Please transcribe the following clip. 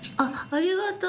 ありがとう。